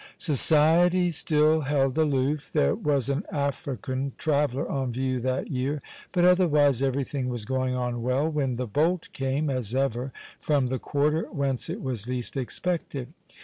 Society still held aloof (there was an African traveller on view that year), but otherwise everything was going on well, when the bolt came, as ever, from the quarter whence it was least expected.